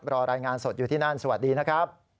รายงานสดอยู่ที่นั่นสวัสดีนะครับ